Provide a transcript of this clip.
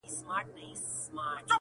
زه په تنهايي کي لاهم سور یمه